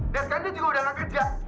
dan sekarang dia juga udah gak kerja